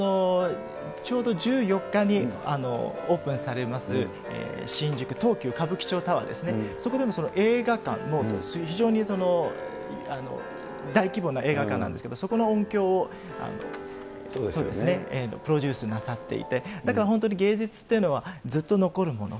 ちょうど１４日に、オープンされます新宿・東急歌舞伎町タワーですね、そこでの映画館、非常に大規模な映画館なんですけれども、そこの音響をプロデュースなさっていて、だから本当に芸術っていうのは、ずっと残るもの。